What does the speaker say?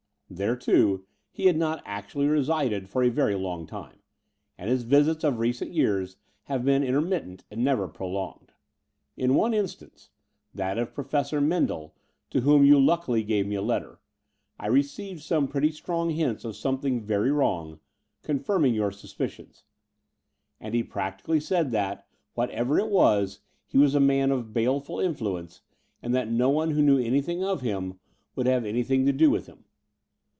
There, too, he has not actually resided for a very long time; and his visits of recent years have been inter mittent and never prolonged. In one instance — that of Professor Mendel, to whom you luckily gave me a letter — I received some pretty strong hints of something very wrong, confirming your suspicions ; and he practically said that, whatever it was, he was a man of baleful influence, and that no one who knew anything of him would have i8o The Door of the Vhreal anything to do with him.